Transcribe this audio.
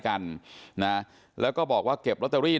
อันนี้แม่งอียางเนี่ย